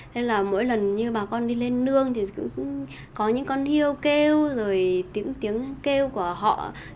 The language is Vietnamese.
nên là mỗi lần như bà con đi lên nương thì cũng có những con yêu kêu rồi tiếng kêu của họ